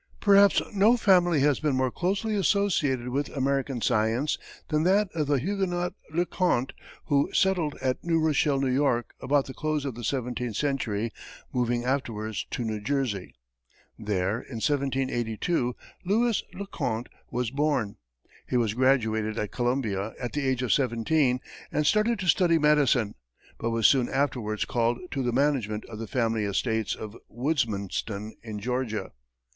Perhaps no family has been more closely associated with American science than that of the Huguenot Le Conte, who settled at New Rochelle, New York, about the close of the seventeenth century, moving afterwards to New Jersey. There, in 1782, Lewis Le Conte was born. He was graduated at Columbia at the age of seventeen and started to study medicine, but was soon afterwards called to the management of the family estates of Woodsmanston, in Georgia.